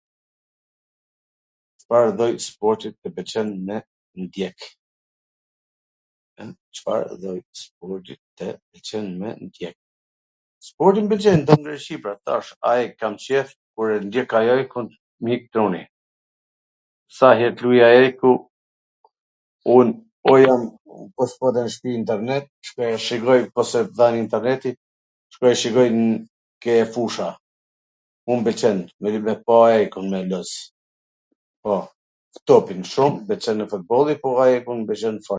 Cfar lloj sporti tw pwlqen me ndjek? Sporti mw pwlqen, thash AEK kam qef, ndjek AEKun mw ik truni, sa her t luaj AEKu un o jam po s pata n shpi internet shkoj e shikoj ke fusha, mu m pwlqen me pa AEKun me loz. Po, topin shum, m pwlqen edhe futbolli, po AEKu mw pwlkqen nw fakt.